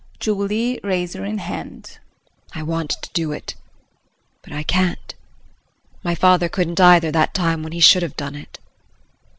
JULIE [Razor in hand]. I want to do it but I can't. My father couldn't either that time when he should have done it.